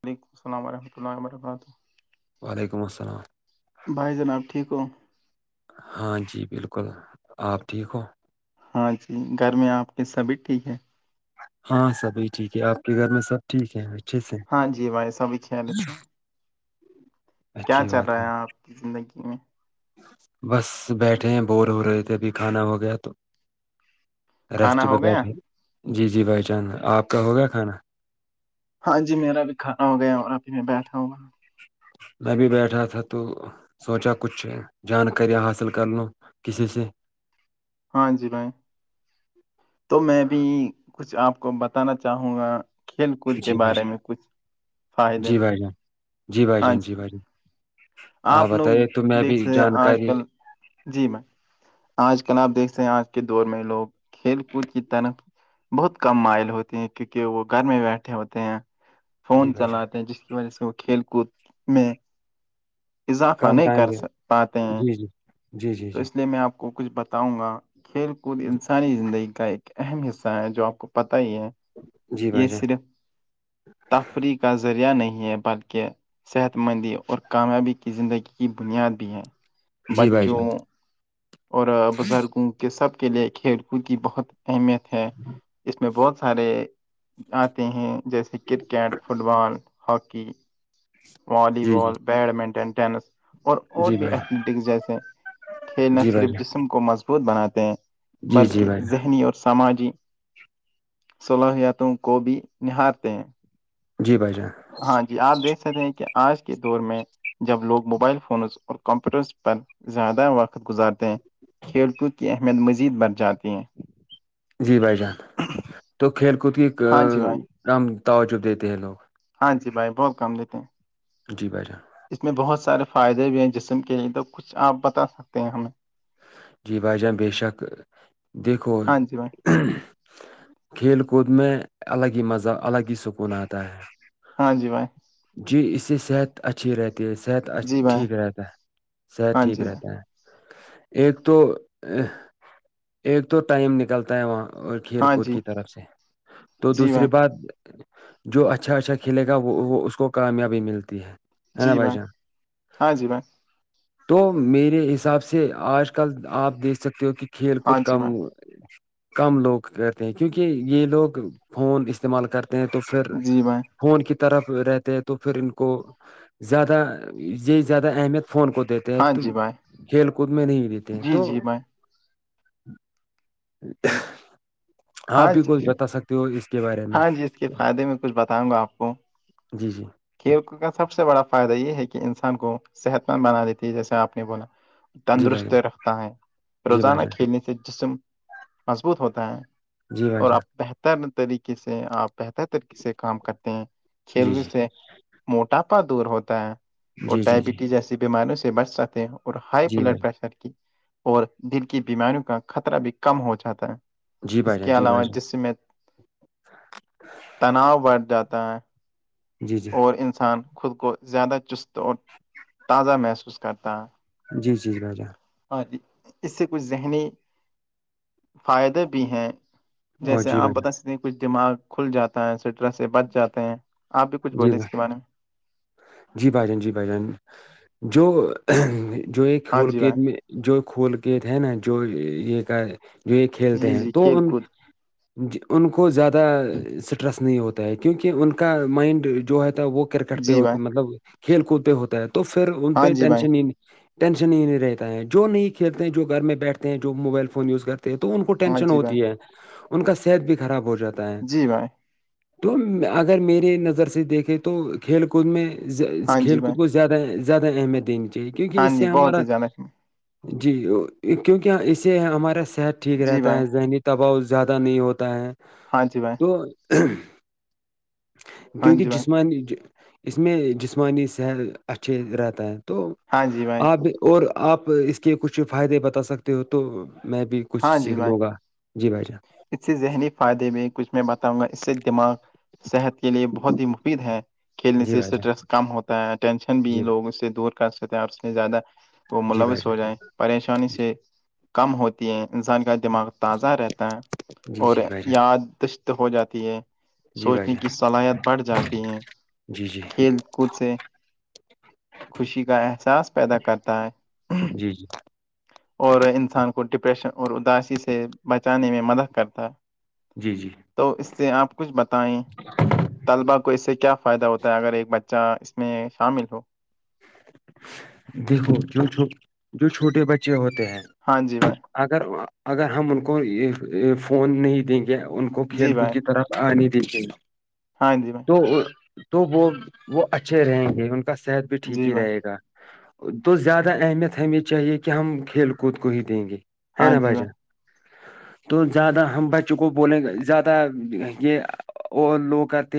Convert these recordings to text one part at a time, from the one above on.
وعلیکم السلام ورحمۃ اللہ ووررماتہ وعلیکم السلام بھائی جناب ٹھیک ہو ہاں جی بالکل آپ ٹھیک ہو ہاں جی گھر میں آپ کے سبھی ٹھیک ہے ہاں سبھی ٹھیک ہے آپ کے گھر میں سب ٹھیک ہے اچھے سے ہاں جی بھائی سبھی خیال سے کیا اچھی چل بات رہا ہے آپ کی زندگی میں بس بیٹھے ہیں بور ہو رہے تھے ابھی کھانا ہو گیا تو ریسٹ کھانا پہ ہو گیا بیٹھے جی جی بائی چانس آپ کا ہو گیا کھانا ہاں جی میرا بھی کھا ہو گیا اور ابھی میں بیٹھا ہوں گا میں بھی بیٹھا تھا تو سوچا کچھ جانکیاں حاصل کر لوں کسی سے ہاں جی بھائی تو میں بھی کچھ آپ کو بتانا چاہوں گا کھیل کود کے جی بھائی بارے میں کچھ جان فائدے جی بھائی جان جی بھائی ہاں جان جی بھائی جان آپ لوگ بتائیے تو میں بھی دیکھ س آج جانکاری کل جی میں آج کل آپ دیکھتے ہیں آج کے دور میں لوگ کھیل کود کی طرف بہت کم مائل ہوتی ہیں کیونکہ وہ گھر میں بیٹھے ہوتے ہیں فون جی بھائی جان چلاتے ہیں جس کی وجہ سے وہ کھیل کود میں اضافہ کم نہیں ٹائم کر دے۔ سک پاتے ہیں جی جی جی جی تو جی اس لیے میں آپ کو کچھ بتاؤں گا کھیل کود انسانی زندگی کا ایک اہم حصہ ہے جو آپ کو پتا ہی ہے جی بھائی یہ جان صرف تفریح کا ذریعہ نہیں ہے بلکہ صحت مندی اور کامیابی کی زندگی کی بنیاد بھی ہیں جی بھائی جان اور بزرگوں کے سب کے لیے کھیل کود کی بہت اہمیت ہے اس میں بہت سارے آتے ہیں جیسے کرکٹ فٹ بال ہاکی والالی جی جی بال بیڈ منٹن ٹینس اور اور جی بھی بھائی جان۔ ایتھلیٹکس جیسے کھیلنا جی بھائی صرف جان جسم کو مضبوط بناتے ہیں جی جی بلکہ بھائی جان ذہنی اور سماجی صلاحیاتوں کو بھی نہارتے ہیں جی بھائی جان ہاں جی آپ دیکھ سکتے ہیں کہ آج کے دور میں جب لوگ موبائل فونز اور کمپیوٹرز پر زیادہ وقت گزارتے ہیں کھیل کود کی اہمیت مزید بڑھ جاتی ہیں جی بھائی جان تو کھیل کود کی ہاں جی بھائی کم توجب دیتے ہیں لوگ ہاں جی بھائی بہت کام لیتے ہیں جی بھائی ج اس میں بہت سارے فائدے بھی ہیں جسم کے لیے تو کچھ آپ بتا سکتے ہیں ہمیں جی بھائی جان بےشک دیکھو ہاں جی بھائی کھیل کود میں الگ ہی مزہ الگ ہی سکون آتا ہے ہاں جی بھائی جی اس سے صحت اچھی رہتی ہے صحت جی بھائی ٹھیک رہتا ہے صحت ہاں ٹھیک جی بھائی رہتا ہے ایک تو ایک تو ٹائم نکلتا ہے وہاں اور کھیل ہاں کود جی کی طرف سے تو جی دوسری بھائی بات جو اچھا اچھا کھیلے گا وہ وہ اس کو کامیابی ملتی ہے ہے نا بھائی جان ہاں جی بھائی تو میرے حساب سے آج کل آپ دیکھ سکتے ہو کہ کھیل کوود ہاں جی کم بھائی کم لوگ کرتے ہیں کیونکہ یہ لوگ فون استعمال کرتے ہیں تو پھر جی بھائی فون کی طرف رہتے ہیں تو پھر ان کو زیادہ یہ زیادہ اہمیت فون کو د ہاں تو جی بھائی کھیل کود میں نہیں دیتے ہیں جی تو جی بھائی ہاں بھی کوئی بتا سکتے تو اس کے بارے میں ہاں جی اس کے فائدے میں کچھ بتاؤں گا آپ کو جی جی کھیل کا سب سے بڑا فائدہ یہ ہے کہ انسان کو صحت مند بنا دیتی ہے جیسے آپ نے بولا جی بھائی تندرست جان رکھتا ہے جی بھائی روزانہ جان کھیلنے سے جسم مضبوط ہوتا ہے جی بھائی اور جان آپ بہتر طریقے سے آپ بہتر طریقے سے کام کرتے ہیں جی کھیل جی سے موٹاپا دور ہوتا ہے اور جی جی جی ڈائبٹیز جیسی بیماریوں سے بچ ساتے ہیں اور ہائی جی بلڈ بھائی پریشر کی اور دل کی بیماریوں کا خطرہ بھی کم ہو جاتا ہے جی اس بھائی جان کے جی علاوہ بھائی جان جس میں تناؤ بڑھ جاتا ہے جی جی اور انسان خود کو زیادہ چست اور تازہ محسوس کرتا ہے جی جی بھ جا اور اس سے کچھ ذہنی فائدے بھی ہیں اور جیسے جی آپ بھائی بتا جان سکتے ہیں کچھ دماغ کھل جاتا ہے سٹرس سے بچ جاتے ہیں آپ بھی کچھ جی بولے اس بھائی، کے بارے میں جی بھائی جان جی بھائی جان جو جو یہ ہاں کول جی کے بھائی میں جو کول کے تھ نا جو یہ کا جو یہ کھیلتے جی ہیں جی تو کھیل ان کود ان کو زیادہ اسٹریس نہیں ہوتا ہے کیونکہ ان کا مائنڈ جو ہےتا وہ کر جی ہو بھائی مطلب کھیل کود پہ ہوتا ہے تو پھر ان ہاں پہ جی بھائی ٹینشن ہی نہیں ٹینشن ہی نہیں رہتا ہے جو نہیں کھیلتے ہیں جو گھر میں بیٹھتے ہیں جو موبائل فون یوز کرتے تو ان کو ہاں ٹینشن جی بھائی ہوتی ہے ان کا صحت بھی خراب ہو جاتا ہے جی بھائی تو اگر میے نظر سے دیکھیں تو کھیل کود میں ہاں جی کھیل بھائی کود میں زیادہ زیادہ اہمیت دینی چاہیے کیونکہ ہاں اس سے جی بہت ہمارا ہی زیادہ جی کیونکہ اس سے ہمارا صحت ٹھیک جی رہتا بھائی ہے ذہنی دباؤ زیادہ نہیں ہوتا ہے ہاں جی بھائی [unintelligible] تو ہاں کیونکہ جی بھائی جسمانی اس میں جسمانی صحت اچھے رہتا ہے تو ہاں جی بھائی آپ اور آپ اس کے کچھ فائدے بتا سکتے ہو تو میں بھی کچھ ہاں جی سیکھ بھائی لو گا جی بھائی جان اس سے ذہنی فائدے میں کچھ میں بتاؤں گا اس سے دماغ صحت کے لیے بہت ہی مفید ہے کھیلنے جی سے بھائی جان اسٹریس کم ہوتا ہے ٹینشن بھی جی لوگوں سے دور کر سکتے ہیں اپ سے زیادہ وہ جی بھائی ملوث ہو جان جائیں پریشانی سے کم ہوتی انسان کا دماغ تازہ رہتا ہے جی اور جی بھائی جان یادش ہو جاتی ہے جی بھائی سوچنے کی جان صلاحیت بڑھ جاتی ہے جی جی کھیل کود سے خوشی کا احساس پیدا کرتا ہے جی جی اور انسان کو ڈپریشن اور اداسی سے بچانے میں مدد کرتا ہے جی جی تو اس سے آپ کچھ بتائیں طلبا کو اس سے کیا فائدہ ہوتا ہے اگر ایک بچہ اس میں شامل ہو دیکھو جو جو چھوٹے بچے ہوتے ہیں ہاں جی بھائی اگر اگر ہم ان کو فون نہیں دیں گے ان کو جی کھیل کود بھائی کی طرف ہ نہیں د [unintelligible] ہاں جی میں تو وہ وہ اچھے رہیں گے ان کا صحت بھی ٹھیک جی ہی بھائی رہے گا تو زیادہ اہمیت ہمیں چاہیے کہ ہم کھیل کود کو ہی دیں گے ہے ہاں ن جی بائی جا بھائی تو زیادہ ہم بچوں کو بولیں گ زیادہ یہ لوگ کا ت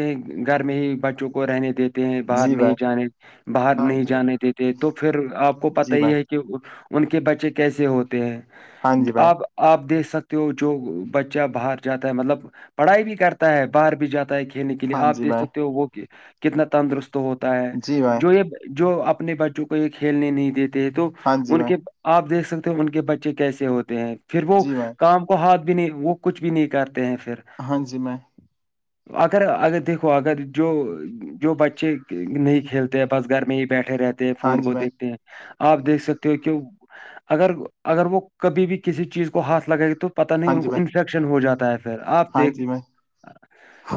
گھر میں ہی بچوں کو رہنے دت ہیں باہر جی نہیں بھائی جانے باہر ہاں نہیں جی جانے بھائی دیتے تو پھر آپ کو پت جی ہی بھائی ہے کہ کہ ان کے بچے کیسے ہوتے ہیں ہاں جی بھائی اب آپ دیکھ سکتے ہو جو بچہ باہر جاتا ہے مطلب پڑھائی بھی کرتا ہے باہر بھی جاتا ہے کہ کھینے کے لیے ہاں آپ جی دیکھ بھائی سکتے ہو وہ کتنا تندرست ہوتا ہے جی بھائی جو جو اپنے بچوں کو یہ کھیلنے نہیں دیتے ہیں تو ہاں جی ان بھائی کے آپ دیکھ سکتے ہو ان کے بچے کیسے ہوتے ہیں پھر وہ جی بھائی کام کو ہاتھ بھی نہیں وہ کچھ بھی نہیں کرتے ہیں پھر ہاں جی میں اگر اگر دیکھو اگر جو جو بچے نہیں کھیلتے تے بس گھر میں ہی بیٹھے رہتے ہیں ہاں فون جی بھائی ہاں جی کو بھائی دیکھتے ہیں آپ دیکھ سکتے ہو کہ اگر اگر وہ کبھی بھی کسی چیز کو ہاتھ لگائے گ تو پت نہیں ہاں ان جی کو بھائی انفیکشن ہو جاتا ہے پھر آپ ہاں دیکھ جی بھائی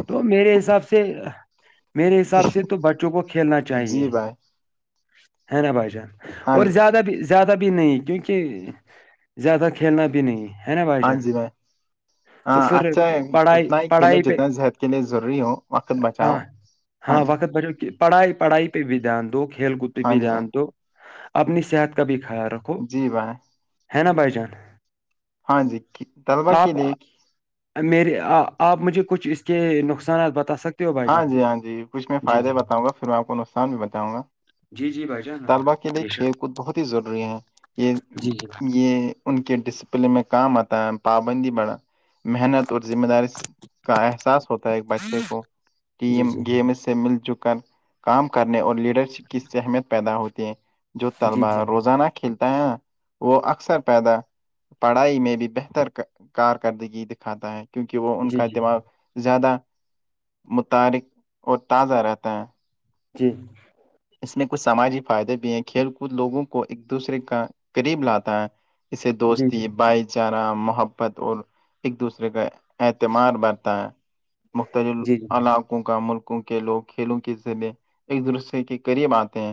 تو میرے حساب سے میرے حساب جی سے تو بچوں کو کھیلنا چاہ چاہیے جی بھائی ہے نا بھائی جان ہاں اور جی بھائی زیادہ بھی زیادہ بھی نہیں کیونکہ زیادہ کھیلنا بھی نہیں ہے نا بھائی جان ہ تو پھر اچھا پڑھائی اتنا ہی کھیلو پڑھائی پہ جتنا صحت کے لیے ضروری ہو وقت بچاؤ ہاں ہاں وقت بچ کہ پڑھائی پڑھائی پہ بھی دھیان دو کھیل کود پہ ہاں بھی جی میں دھیان دو اپنی صحت کا بھی خیال رکھ جی بھان حینا بائی جان ہاں جی طلبہ کے آپ لیے میرے آپ مجھے کچھ اس کے نقصانات بتا سک ہاں جی ہاں جی کچھ میں فائدہ بتاؤںا پھر میں آپ کو نقصان بھی بتاؤں گا جی جی بھائی جان طلبا کے لیے بے کھیل شک، کود بہت ہی ضروری ہے یہ جی جی یہ ان کے ڈسپلن میں کام آتا ہے پابندی بڑھا محنت اور ذمہ داری سے کا احساس ہوتا ہے ایک بچے کو جی ٹیم جی گیم سے مل جل کر کام کرنے اور لیڈرشپ کی سہمیت پیدا ہوتی ہے جو جی طلبا جی روزانہ کھیلتا ہے نا وہ اکثر پیدا پڑھائی میں بھی بہتر کارکردگی دکھاتا ہے کیونکہ وہ ان جی کا دماغ زیادہ متعارک اور تازہ رہتا ہے جی اس میں کچھ سماجی فائدے بھی ہیں کھیل کود لوگوں کو ایک دوسرے کا قریب لاتا ہے اسے جی دوستی جی بائی ب چارہ محبت اور ایک دوسرے کا اعتمار بڑھتا ہے مختلف جی جی علاقوں کا ملکوں کے لوگ کھیلوں کے لیں ایک دوسرے کے قریب آتے ہیں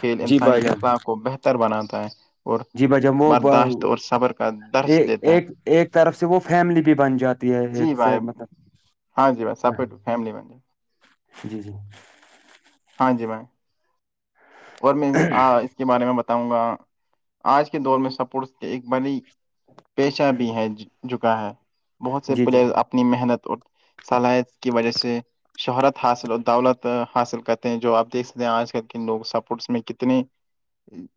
کھیل جی انسانی بھائی جان اخلاق کو بہتر بناتا ہے اور جی بھائی جان وہ برداشت ب- اور صبر کا درس ایک دیتا ہے ایک ایک طرف سے وہ فیملی بھی بن جاتی ہے جی ایک سے بھائی مطلب ہاں جی میں ہ سپورٹ فیملی میں جی، جی جی ہاں جی میںی اور میں اس کے بارے میں بتاؤں گا آج کے دور میں سپ ایک بڑی پیشہ بھی ہے جکا ہے بہت سے جی جی پلیئر اپنی محنت اور سلحت کی وجہ سے شہرت حاصل اور دولت حاصل کرتے ہیں جو آپ دیکھ ستے ہیں آج کل کے لوگ سب س میں کتنی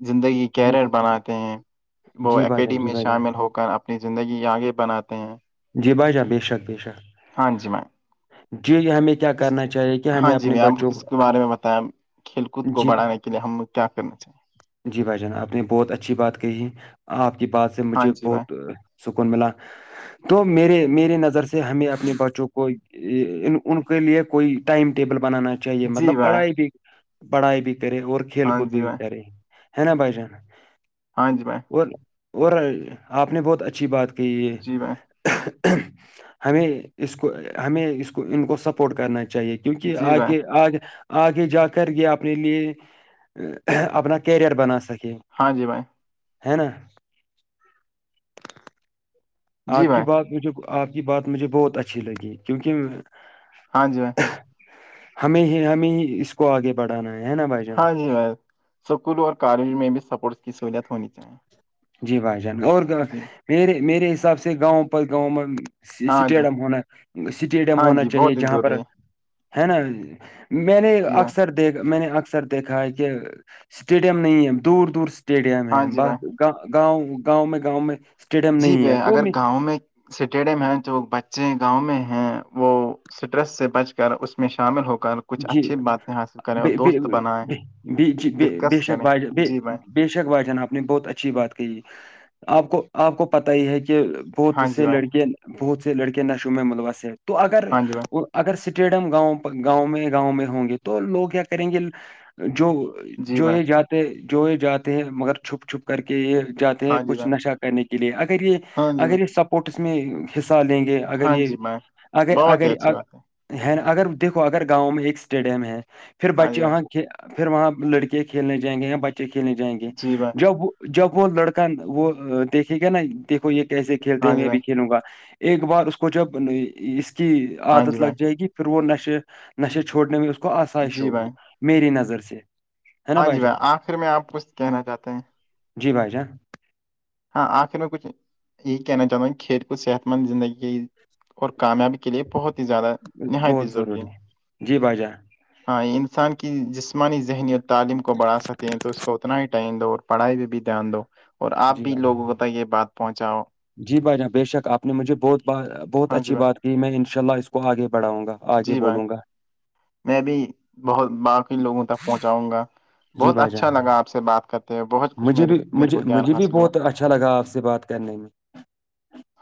زندگی جی کیریئر بناتے ہیں وہ جی بھائی جان اکیڈمی جی میں بھائی جان شامل ہو کر اپ اپنی زندگی آگے بناتے ہیں جی بھائی جان بے شک بے شک ہاں جی میں جی ہمیں کیا اس کرنا چاہیے کہ ہمیں ہاں جی اپنے میں آپ بچوں اس کو کے بارے میں بتائیں کھیل کود کو جی بڑانے چ لیے ہم لوگ کیا کرنا چاہیے جی بھائی جان آپ نے بہت اچھی بات کہی آپ کی بات سے ہاں مجھے جی میں بہت سکون ملا تو میرے میے نظر سے ہمیں اپنے بچوں کو ان کے لیے کوئی ٹائم ٹیبل بنانا چاہیے جی مطلب بھائی پڑھائی بھی پڑھائی بھی کرے اور کھیل ہاں کود جی بھی بھی بھائی کرے ہے نا بائی جان ہاں جی بائی اور اور آپ نے بہت اچھی بات کہ یہ جی بھائی ہمیں اس کو ہمیں اس کو ان کو سپورٹ کرنا چاہیے کہ کیونکہ جی بھائی آگے آ آگے جا کر یہ اپنے لیے اپنا کیریئر بنا سکے ہاں جی بھائی ہے نا آپ جی کی بھائی بات مجھے آپ کی بات مجھے بہت اچھی لگی کیونکہ ہاں جی میں ہمیں ہی ہمیں ہی اس کو آگے بڑھانا ہے ہے نا بھائی جان ہ اسکول اور کالج میں بھی سپورٹس کی سہولت ہونی چاہیے جی بھائی جان اور جی میرے میرے حساب سے گاؤں پر گاؤں میں ہاں جی اسٹیڈیم ہونا اسٹیڈیم ہاں ہونا جی چاہیے بہت ہی جہاں پر ضروری ہے ہے نا میں نے جی بھائی اکثر دیکھ میں نے اکثر دیکھا ہے کہ اسٹیڈیم نہیں ہے دور دور اسٹیڈیم ہے ہاں ب جی بھائی گاؤں گاؤں میں گاؤں میں اسٹیڈیم نہیں ہے تو سٹیڈیم ہے جو بچے گاؤں میں ہیں وہ اسٹریس سے بچ کر اس میں شامل ہو کر کچھ جی اچھی باتیں حاصل کریں اور دوست بنائیں جی بے ڈسکس شک کریں بج جی بھائی بےشک بھ جن آپ نے بہت اچھی بات کہی آپ کو آپ کو پت ہی ہے کہ بہت ہاں جی سے بھائی لڑکے بہت سے لڑکے نشوم ملوسے تو اگر ہاں جی بھائی اگر اسٹیڈیم گاؤں گاؤں میں گاؤں میں ہوں گے تو لوگ کیا کریں گے جو جی جو بھائی یہ جاتے جو یہ جاتے ہیں مگر چھپ چھپ کر کے یہ جاتے ہیں ہاں جی کچھ بھائی نشہ کرنے کے لیے اگر یہ ہاں جی بھائی اگر یہ سب اسپورٹس میں حصہ لیں گے اگر ہاں یہ جی میم اگر بہت ہی اگر اچھی بات ہے ہے نا اگر دیکھو اگر گاؤں میں ایک اسٹیڈیم ہے پھر ہاں جی بچے بھائی وہاں پھر وہاں لڑکے کھیلنے جائیں گے یا بچے کھیلنے جائیں گے جی بھائی جب جب وہ لڑکا وہ دیکھے گا نا دیکھو یہ کیسے کھیلتے ہاں ہیں جی میں بھائی بھی کھیلوں گا ایک بار اس کو جب اس کی ہاں جی عادت لگ بھائی جائے گی پھر وہ نشے نشے چھوڑنے میں اس کو آسائش جی ہوگی بھائی میری نظر سے ہے نا ہاں جی جان بھائی آخر میں آپ کچھ کہنا چاہتے ہیں جی بھائی جان ہاں آخر میں کچھ یہی کہنا چاہتا ہوں کھیل کو صحت مند زندگی اور کامیابی کے لئے بہت ہی زیادہ نہایت بہت ضروری ہیں ہے۔ جی بھائی جان ہاں انسان کی جسمانی ذہنی اور تعلیم کو بڑھا سکتے ہیں تو اس کو اتنا ہی دو اور پڑھائی پہ بھی دھیان دو اور آپ جی بھی بھائی جان لوگوں کو تک یہ بات پہنچاؤ جی بھائی جان بے شک آپ نے مجھے بہت بہت ہاں جی اچھی بھائی بات کی میں انشاء اللہ اس کو آگے بڑھاں گا آگے جی بھائی بولوں گا میں بھی بہت بق لوگوں تک پہنچاؤں گا جی بہت بھائی اچھا جان لگا آپ سے بات کرتے ہوئے بہت کچھ مجھے میرے بھی میرے مجھے کو گیان مجھے بھی حاصل ہوا بہت اچھا لگا آپ سے بات کرنے میں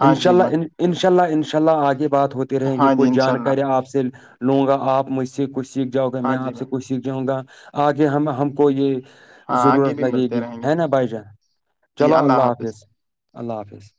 ہاں انشاء جی میں اللہ انشاء اللہ انشاء اللہ آگے بات ہوتی رہیں گی ہاں جی کوئی انشاء اللہ جانکارییاں آپ سے لوں گا آپ مجھ سے کچھ سیکھ جاؤ گا میں ہاں جی آپ سے کچھ سیکھ جاؤں گا آگے ہم ہم کو یہ ہاں آگے بھی ملتے جی رہیں گے ہے نا بھائی جان چلو اللہ حافظ اللہ حافظ